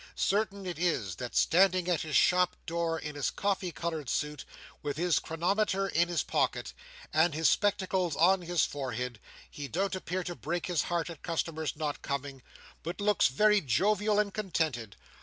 Certain it is that, standing at his shop door, in his coffee coloured suit, with his chronometer in his pocket, and his spectacles on his forehead, he don't appear to break his heart at customers not coming, but looks very jovial and contented, though full as misty as of yore.